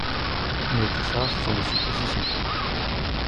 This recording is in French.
Mais tout ça, ce sont des suppositions